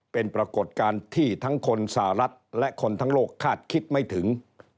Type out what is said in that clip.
เป็นปรากฏการณ์ที่ทั้งคนสหรัฐและคนทั้งโลกคาดคิดไม่ถึง